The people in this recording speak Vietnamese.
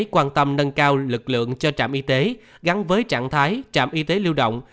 quan tâm nâng cao lực lượng cho trạm y tế gắn với trạng thái trạm y tế lưu động